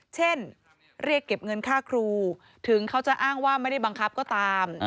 เช่นเรียกเก็บเงินค่าครูถึงเขาจะอ้างว่าไม่ได้บังคับก็ตาม